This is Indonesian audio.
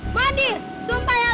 ngondi sumpah terus anda